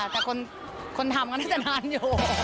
แต่คนทำก็น่าจะนานอยู่